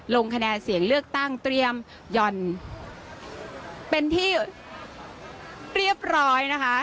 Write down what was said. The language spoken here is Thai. ลงคะแนนเสียงเลือกตั้งเตรียมหย่อนเป็นที่เรียบร้อยนะคะ